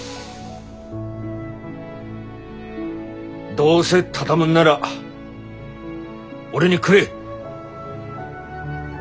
どうせ畳むんなら俺にくれ！